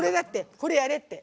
これ、やれって。